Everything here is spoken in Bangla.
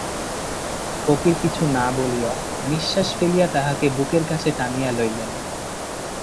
ফকির কিছু না বলিয়া নিশ্বাস ফেলিয়া তাহাকে বুকের কাছে টানিয়া লইলেন।